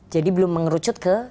jadi belum mengerucut ke